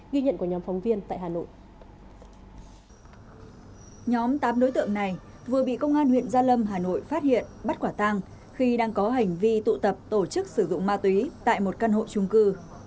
khỏa tăng khi đang có hành vi tụ tập tổ chức sử dụng ma túy tại một căn hộ chung cư